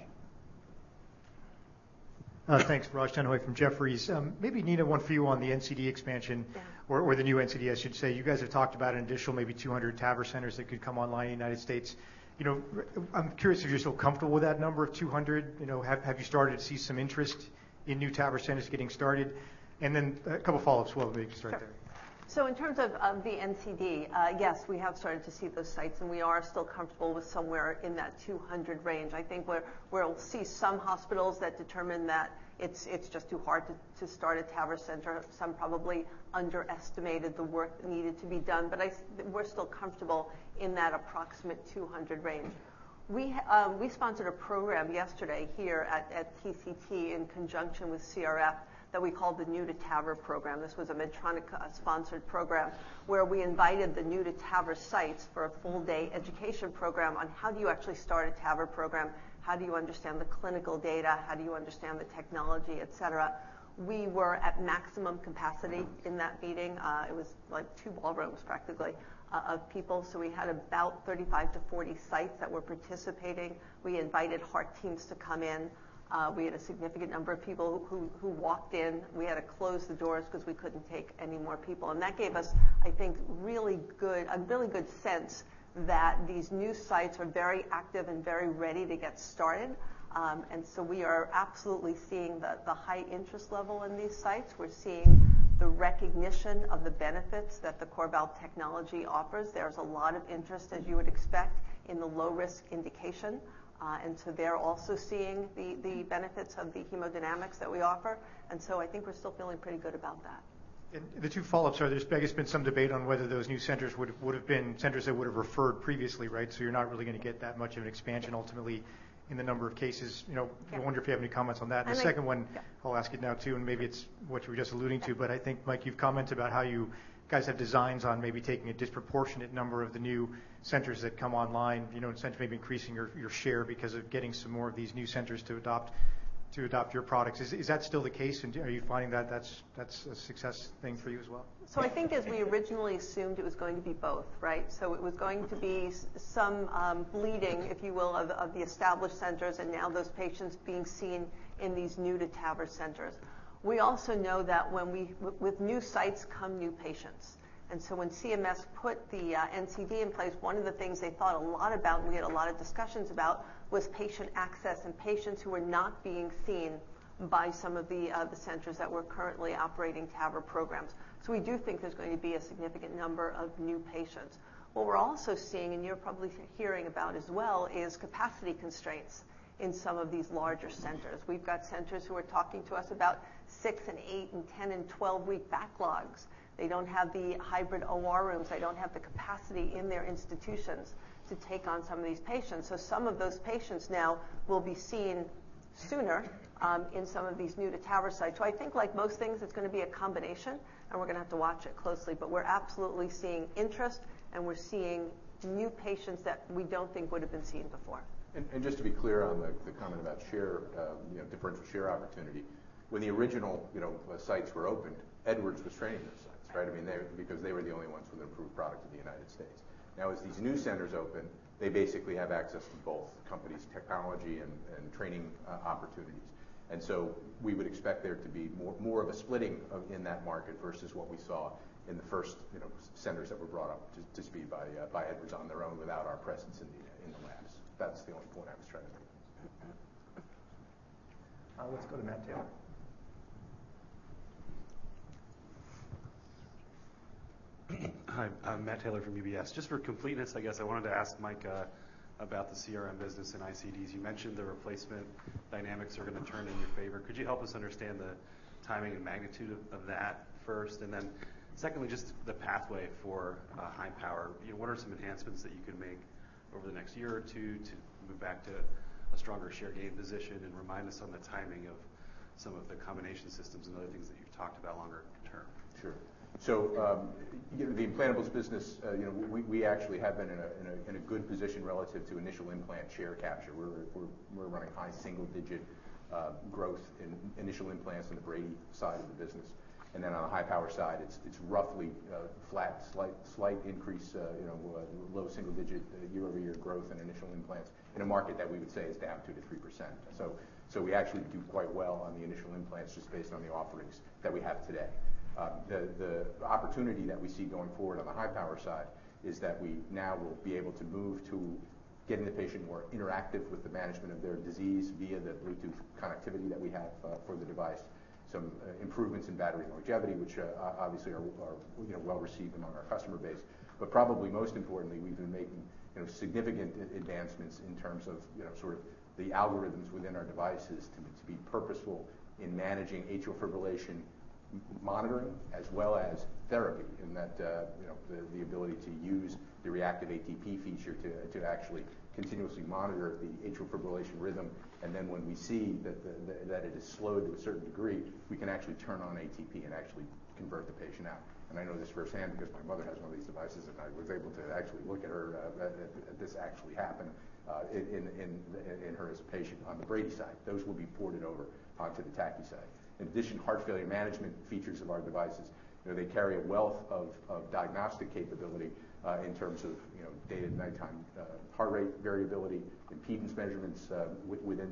Raj. Thanks. Raj Denhoy from Jefferies. Maybe, Nina, one for you on the NCD expansion. Yeah The new NCD, I should say. You guys have talked about an additional maybe 200 TAVR centers that could come online in the United States. I'm curious if you're still comfortable with that number of 200. Have you started to see some interest in new TAVR centers getting started? A couple of follow-ups we'll maybe start there. Sure. In terms of the NCD, yes, we have started to see those sites, and we are still comfortable with somewhere in that 200 range. I think we'll see some hospitals that determine that it's just too hard to start a TAVR center. Some probably underestimated the work that needed to be done. We're still comfortable in that approximate 200 range. We sponsored a program yesterday here at TCT in conjunction with CRF that we called the New to TAVR Program. This was a Medtronic-sponsored program where we invited the new-to-TAVR sites for a full-day education program on how do you actually start a TAVR program, how do you understand the clinical data, how do you understand the technology, et cetera. We were at maximum capacity in that meeting. It was like two ballrooms, practically, of people. We had about 35 to 40 sites that were participating. We invited heart teams to come in. We had a significant number of people who walked in. We had to close the doors because we couldn't take any more people. That gave us, I think, a really good sense that these new sites are very active and very ready to get started. We are absolutely seeing the high interest level in these sites. We're seeing the recognition of the benefits that the CoreValve technology offers. There's a lot of interest, as you would expect, in the low-risk indication. They're also seeing the benefits of the hemodynamics that we offer. I think we're still feeling pretty good about that. The two follow-ups are, there's been some debate on whether those new centers would have been centers that would have referred previously, right? You're not really going to get that much of an expansion ultimately in the number of cases. Yeah. I wonder if you have any comments on that. And I- The second one- Yeah I'll ask it now, too, and maybe it's what you were just alluding to. Yeah. I think, Mike, you've commented about how you guys have designs on maybe taking a disproportionate number of the new centers that come online, in a sense, maybe increasing your share because of getting some more of these new centers to adopt your products. Is that still the case? Are you finding that's a success thing for you as well? I think as we originally assumed, it was going to be both, right? It was going to be some bleeding, if you will, of the established centers, and now those patients being seen in these new to TAVR centers. We also know that with new sites come new patients. When CMS put the NCD in place, one of the things they thought a lot about, and we had a lot of discussions about, was patient access and patients who were not being seen by some of the centers that were currently operating TAVR programs. We do think there's going to be a significant number of new patients. What we're also seeing, and you're probably hearing about as well, is capacity constraints in some of these larger centers. We've got centers who are talking to us about 6- and 8- and 10- and 12-week backlogs. They don't have the hybrid OR rooms. They don't have the capacity in their institutions to take on some of these patients. Some of those patients now will be seen sooner, in some of these new to TAVR sites. I think like most things, it's going to be a combination, and we're going to have to watch it closely. We're absolutely seeing interest, and we're seeing new patients that we don't think would've been seen before. Just to be clear on the comment about differential share opportunity. When the original sites were opened, Edwards was training those sites, right? Because they were the only ones with an approved product in the U.S. Now, as these new centers open, they basically have access to both companies' technology and training opportunities. We would expect there to be more of a splitting in that market versus what we saw in the first centers that were brought up to speed by Edwards on their own without our presence in the labs. That's the only point I was trying to make. Let's go to Matt Taylor. Hi, Matt Taylor from UBS. Just for completeness, I guess I wanted to ask Mike, about the CRM business and ICDs. You mentioned the replacement dynamics are going to turn in your favor. Could you help us understand the timing and magnitude of that first? Secondly, just the pathway for high power. What are some enhancements that you can make over the next year or two to move back to a stronger share gain position? Remind us on the timing of some of the combination systems and other things that you've talked about longer term. Sure. The implantables business, we actually have been in a good position relative to initial implant share capture. We're running high single-digit growth in initial implants on the Brady side of the business. On the high-power side, it's roughly flat, slight increase, low single-digit year-over-year growth in initial implants in a market that we would say is down 2%-3%. We actually do quite well on the initial implants just based on the offerings that we have today. The opportunity that we see going forward on the high-power side is that we now will be able to move to getting the patient more interactive with the management of their disease via the Bluetooth connectivity that we have for the device. Some improvements in battery longevity, which, obviously are well-received among our customer base. Probably most importantly, we've been making significant advancements in terms of the algorithms within our devices to be purposeful in managing atrial fibrillation monitoring as well as therapy in that the ability to use the reactive ATP feature to actually continuously monitor the atrial fibrillation rhythm. Then when we see that it has slowed to a certain degree, we can actually turn on ATP and actually convert the patient out. I know this firsthand because my mother has one of these devices, and I was able to actually look at her, this actually happened in her as a patient on the Brady side. Those will be ported over onto the tachy side. Heart failure management features of our devices. They carry a wealth of diagnostic capability, in terms of day and nighttime, heart rate variability, impedance measurements within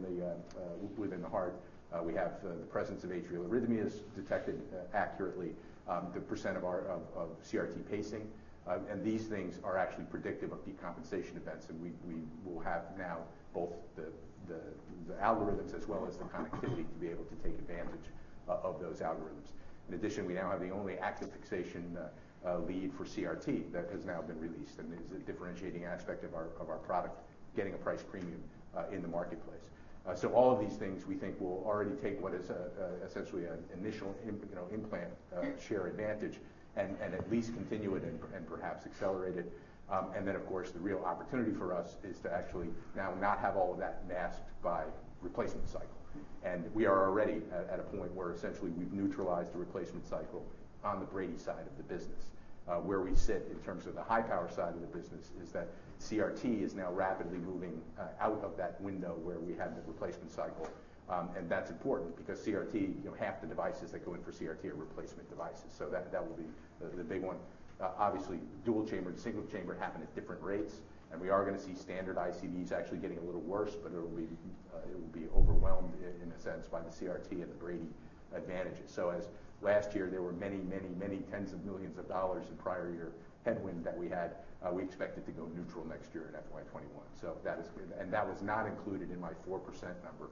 the heart. We have the presence of atrial arrhythmias detected accurately, the % of CRT pacing. These things are actually predictive of decompensation events and we will have now both the algorithms as well as the connectivity to be able to take advantage of those algorithms. In addition, we now have the only active fixation lead for CRT that has now been released and is a differentiating aspect of our product getting a price premium in the marketplace. All of these things we think will already take what is essentially an initial implant share advantage and at least continue it and perhaps accelerate it. Of course, the real opportunity for us is to actually now not have all of that masked by replacement cycle. We are already at a point where essentially we've neutralized the replacement cycle on the Brady side of the business. Where we sit in terms of the high-power side of the business is that CRT is now rapidly moving out of that window where we had the replacement cycle. That's important because CRT, half the devices that go in for CRT are replacement devices. That will be the big one. Obviously, dual chamber and single chamber happen at different rates, and we are going to see standard ICDs actually getting a little worse, but it'll be overwhelmed in a sense by the CRT and the Brady advantages. As last year, there were many, many, many tens of millions of dollars in prior year headwind that we had, we expect it to go neutral next year in FY21. That was not included in my 4% number,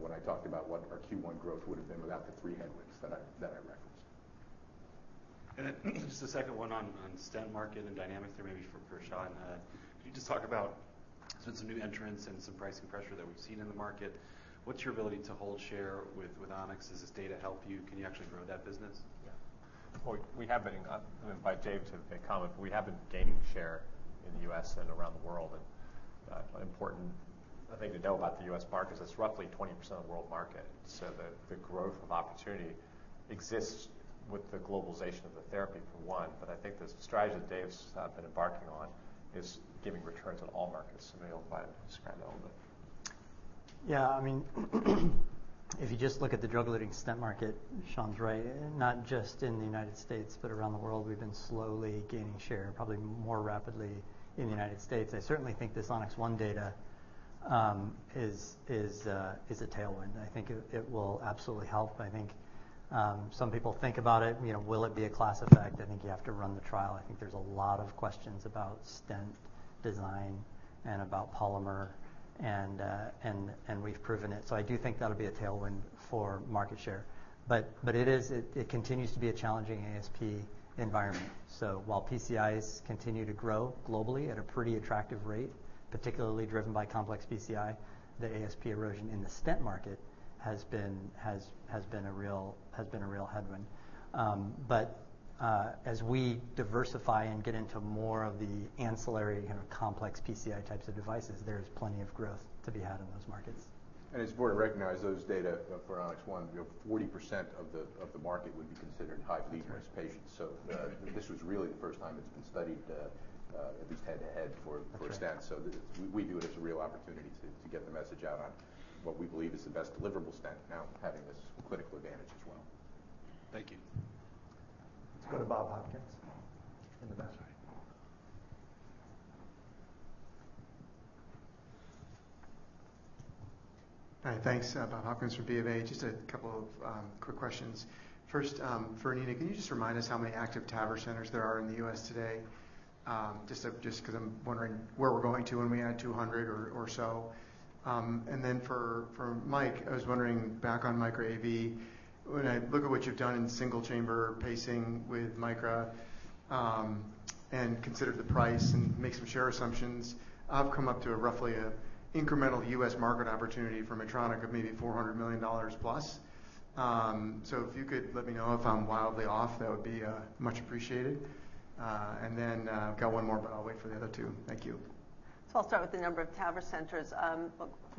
when I talked about what our Q1 growth would've been without the three headwinds that I referenced. Just a second one on stent market and dynamics there maybe for Sean. Can you just talk about some new entrants and some pricing pressure that we've seen in the market? What's your ability to hold share with Onyx? Does this data help you? Can you actually grow that business? Yeah. We have been, and I'll invite Dave to comment, but we have been gaining share in the U.S. and around the world. An important thing to know about the U.S. market is it's roughly 20% of the world market. The growth of opportunity exists with the globalization of the therapy for one. I think the strategy that Dave's been embarking on is giving returns on all markets. Maybe I'll invite him to describe that a little bit. If you just look at the drug-eluting stent market, Sean's right. Not just in the United States but around the world, we've been slowly gaining share, probably more rapidly in the United States. I certainly think this Onyx ONE data is a tailwind. I think it will absolutely help. I think some people think about it, will it be a class effect? I think you have to run the trial. I think there's a lot of questions about stent design and about polymer, and we've proven it. I do think that'll be a tailwind for market share. It continues to be a challenging ASP environment. While PCIs continue to grow globally at a pretty attractive rate, particularly driven by complex PCI, the ASP erosion in the stent market has been a real headwind. As we diversify and get into more of the ancillary kind of complex PCI types of devices, there is plenty of growth to be had in those markets. It's important to recognize those data for Onyx ONE. 40% of the market would be considered high-bleeding risk patients. This was really the first time it's been studied, at least head-to-head, for stents. We view it as a real opportunity to get the message out on what we believe is the best deliverable stent now having this clinical advantage as well. Thank you. Let's go to Bob Hopkins in the back right. Hi, thanks. Bob Hopkins from BofA. Just a couple of quick questions. First, for Nina, can you just remind us how many active TAVR centers there are in the U.S. today? Just because I'm wondering where we're going to when we add 200 or so. For Mike, I was wondering back on Micra AV. When I look at what you've done in single-chamber pacing with Micra, and consider the price and make some share assumptions, I've come up to a roughly incremental U.S. market opportunity for Medtronic of maybe $400 million plus. If you could let me know if I'm wildly off, that would be much appreciated. I've got one more, but I'll wait for the other two. Thank you. I'll start with the number of TAVR centers.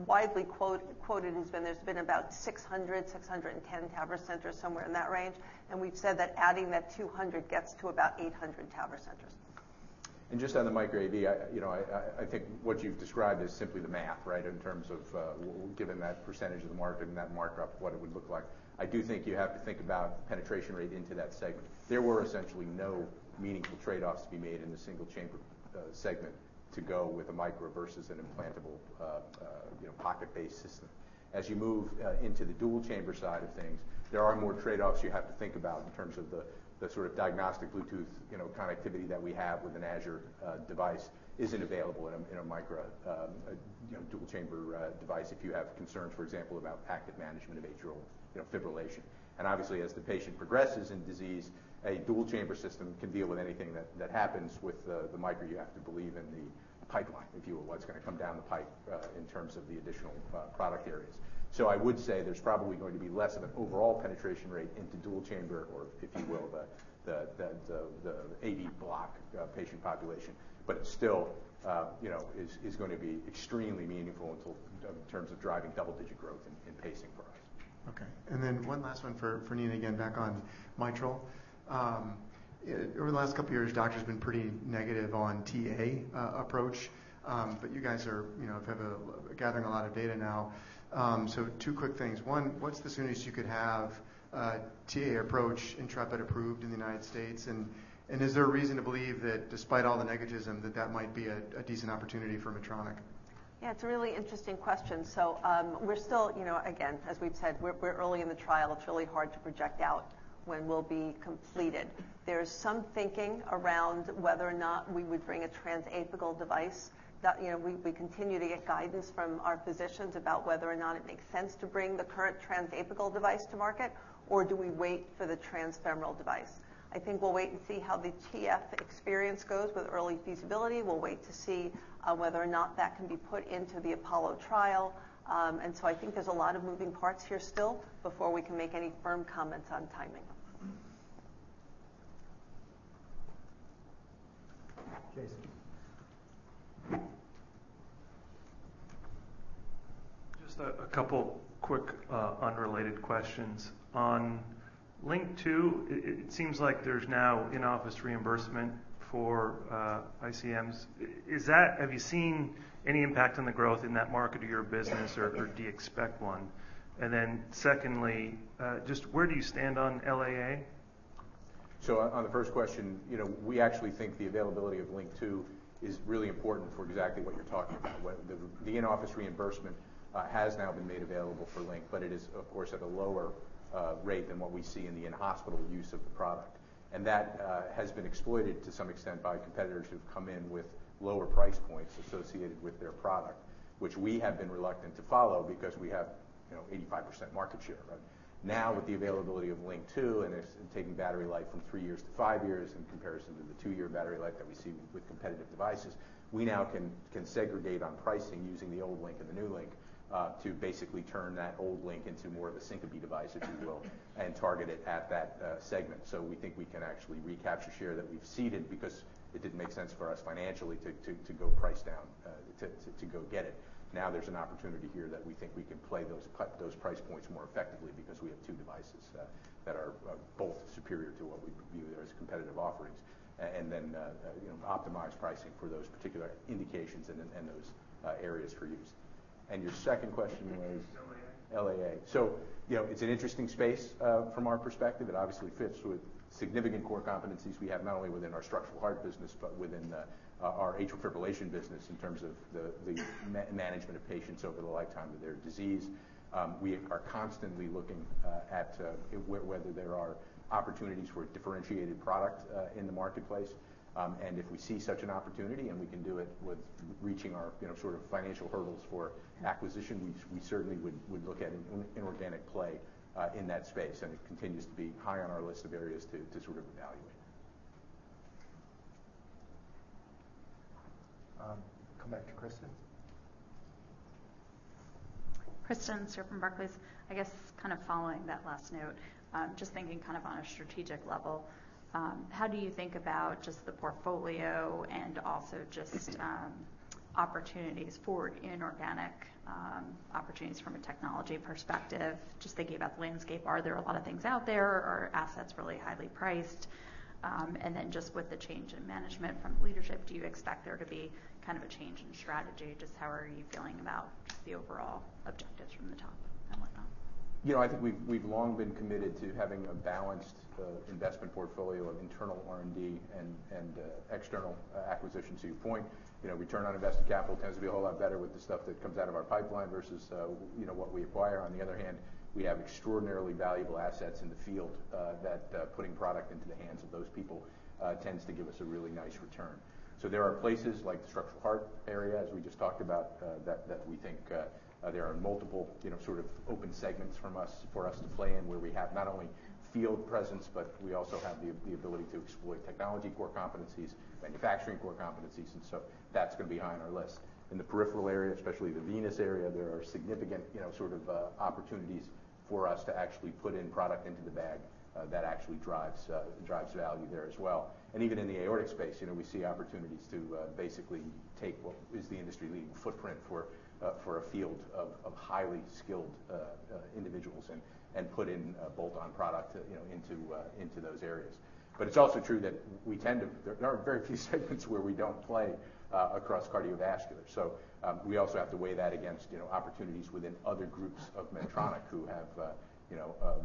Widely quoted has been there's been about 600, 610 TAVR centers, somewhere in that range. We've said that adding that 200 gets to about 800 TAVR centers. Just on the Micra AV, I think what you've described is simply the math, right? In terms of given that percentage of the market and that markup, what it would look like. I do think you have to think about penetration rate into that segment. There were essentially no meaningful trade-offs to be made in the single-chamber segment to go with a Micra versus an implantable, pocket-based system. As you move into the dual-chamber side of things, there are more trade-offs you have to think about in terms of the sort of diagnostic Bluetooth connectivity that we have with an Azure device isn't available in a Micra dual-chamber device if you have concerns, for example, about active management of atrial fibrillation. Obviously, as the patient progresses in disease, a dual-chamber system can deal with anything that happens. With the Micra, you have to believe in the pipeline, if you will, what's going to come down the pipe in terms of the additional product areas. I would say there's probably going to be less of an overall penetration rate into dual-chamber or, if you will, the AV block patient population. It still is going to be extremely meaningful in terms of driving double-digit growth in pacing for us. Okay. One last one for Nina, again, back on mitral. Over the last couple of years, doctors have been pretty negative on TA approach. You guys are gathering a lot of data now. Two quick things. One, what's the soonest you could have TA approach Intrepid approved in the United States? Is there a reason to believe that despite all the negativism, that that might be a decent opportunity for Medtronic? Yeah, it's a really interesting question. We're still, again, as we've said, we're early in the trial. It's really hard to project out when we'll be completed. There's some thinking around whether or not we would bring a transapical device. We continue to get guidance from our physicians about whether or not it makes sense to bring the current transapical device to market, or do we wait for the transfemoral device. I think we'll wait and see how the TF experience goes with early feasibility. We'll wait to see whether or not that can be put into the APOLLO trial. I think there's a lot of moving parts here still before we can make any firm comments on timing. Jason. Just a couple quick unrelated questions. On LINQ II, it seems like there's now in-office reimbursement for ICMs. Have you seen any impact on the growth in that market or your business, or do you expect one? Secondly, just where do you stand on LAA? On the first question, we actually think the availability of LINQ II is really important for exactly what you're talking about, where the in-office reimbursement has now been made available for LINQ, but it is, of course, at a lower rate than what we see in the in-hospital use of the product. That has been exploited to some extent by competitors who've come in with lower price points associated with their product, which we have been reluctant to follow because we have 85% market share, right? With the availability of LINQ II, it's taking battery life from three years to five years in comparison to the two-year battery life that we see with competitive devices. We now can segregate on pricing using the old LINQ and the new LINQ to basically turn that old LINQ into more of a syncope device, if you will, and target it at that segment. We think we can actually recapture share that we've ceded because it didn't make sense for us financially to go price down to go get it. There's an opportunity here that we think we can play those price points more effectively because we have two devices that are both superior to what we view as competitive offerings, and then optimize pricing for those particular indications and those areas for use. Your second question was? LAA. LAA. It's an interesting space from our perspective. It obviously fits with significant core competencies we have, not only within our Structural Heart business, but within our atrial fibrillation business in terms of the management of patients over the lifetime of their disease. If we see such an opportunity, and we can do it with reaching our financial hurdles for acquisition, we certainly would look at an inorganic play in that space. It continues to be high on our list of areas to evaluate. Come back to Kristen. Kristen Stewart from Barclays. I guess, kind of following that last note, just thinking on a strategic level, how do you think about just the portfolio and also just opportunities for inorganic opportunities from a technology perspective? Just thinking about the landscape, are there a lot of things out there? Are assets really highly priced? Just with the change in management from leadership, do you expect there to be a change in strategy? Just how are you feeling about the overall objectives from the top and whatnot? I think we've long been committed to having a balanced investment portfolio of internal R&D and external acquisition. To your point, return on invested capital tends to be a whole lot better with the stuff that comes out of our pipeline versus what we acquire. On the other hand, we have extraordinarily valuable assets in the field, that putting product into the hands of those people tends to give us a really nice return. There are places like the structural heart area, as we just talked about, that we think there are multiple sort of open segments for us to play in, where we have not only field presence, but we also have the ability to exploit technology core competencies, manufacturing core competencies, that's going to be high on our list. In the peripheral area, especially the venous area, there are significant sort of opportunities for us to actually put in product into the bag that actually drives value there as well. Even in the aortic space, we see opportunities to basically take what is the industry-leading footprint for a field of highly skilled individuals and put in a bolt-on product into those areas. It's also true that there are very few segments where we don't play across cardiovascular. We also have to weigh that against opportunities within other groups of Medtronic who have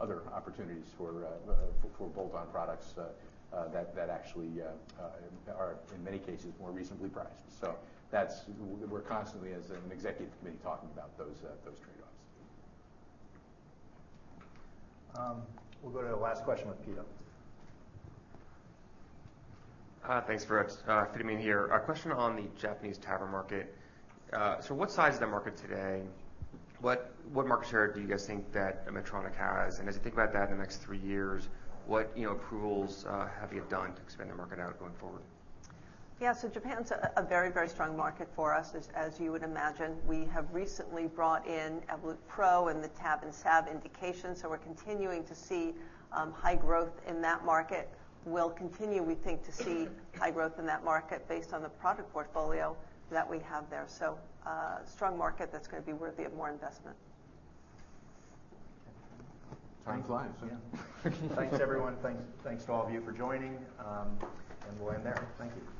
other opportunities for bolt-on products that actually are, in many cases, more reasonably priced. We're constantly, as an executive committee, talking about those trade-offs. We'll go to the last question with Peter. Thanks, folks. Peter Min here. A question on the Japanese TAVR market. What size is that market today? What market share do you guys think that Medtronic has? As you think about that in the next three years, what approvals have you done to expand the market out going forward? Japan's a very strong market for us, as you would imagine. We have recently brought in Evolut PRO in the TAV and SAV indication, we're continuing to see high growth in that market. We'll continue, we think, to see high growth in that market based on the product portfolio that we have there. A strong market that's going to be worthy of more investment. Time flies. Yeah. Thanks, everyone. Thanks to all of you for joining. We'll end there. Thank you.